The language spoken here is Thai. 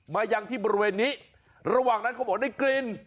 มายังที่บริเวณนี้ระหว่างนั้นเขาบอกได้กลิ่น